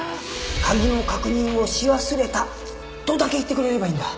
「鍵の確認をし忘れた」とだけ言ってくれればいいんだ。